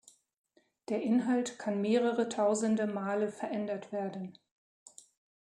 Der Inhalt kann mehrere tausende Male verändert werden.